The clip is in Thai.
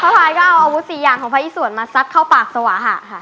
พระภายก็เอาอวุฤศิยางของพระอิสสวรรค์มาสักเข้าปากสวาหะค่ะ